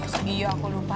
segi ya aku lupa